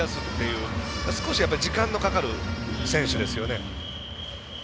つまり少し時間のかかる選手ですね。